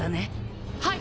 はい！